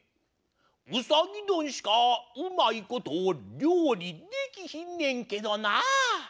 うさぎどんしかうまいことりょうりできひんねんけどなぁ！